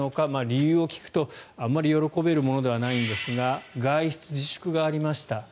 理由を聞くとあまり喜べるものではないんですが外出自粛がありました。